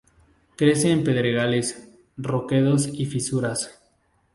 Crece en pedregales, roquedos y fisuras.